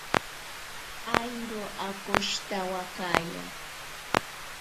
Airo akoshitawakaya.